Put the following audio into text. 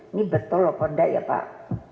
ini betul lho kondai ya pak